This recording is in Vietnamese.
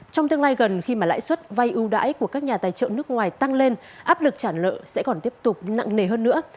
trong tương lai gần khi mà lãi suất vay ưu đãi của các nhà tài trợ nước ngoài tăng lên áp lực trả nợ sẽ còn tiếp tục nặng nề hơn nữa